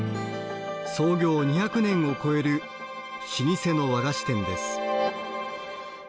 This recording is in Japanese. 創業２００年を超える老舗の和菓子店です。